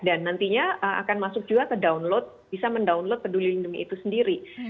dan nantinya akan masuk juga ke download bisa mendownload peduli lindungi itu sendiri